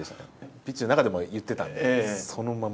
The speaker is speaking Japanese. ピッチの中でも言ってたんで、そのまま。